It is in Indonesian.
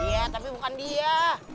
iya tapi bukan dia